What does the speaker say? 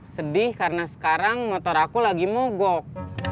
sedih karena sekarang motor aku lagi mogok